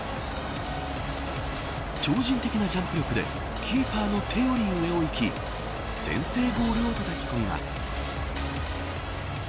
超人的なジャンプ力でキーパーの手より上をいき先制ゴールをたたき込みます。